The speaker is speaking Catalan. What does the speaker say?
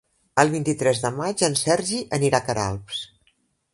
El vint-i-tres de maig en Sergi anirà a Queralbs.